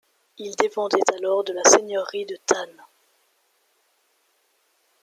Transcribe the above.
Il dépendait alors de la seigneurie de Thann.